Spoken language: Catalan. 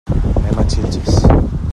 Anem a Xilxes.